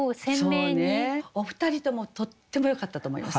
お二人ともとってもよかったと思います。